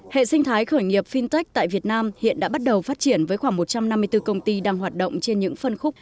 hệ sinh thái khởi nghiệp fintech tại việt nam hiện đã bắt đầu phát triển với khoảng một trăm năm mươi bốn công ty đang hoạt động trên những phân khúc